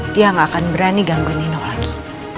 dia ga akan berani ganggu nino lagi